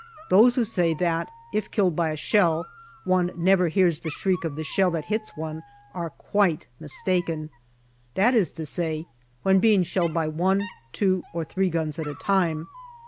Those who say that, if killed by a shell, one never hears the shriek of the shell that hits one, are quite mistaken that is to say, when being shelled by one, two, or three guns at a time.